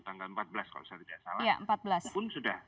tanggal empat belas kalau saya tidak salah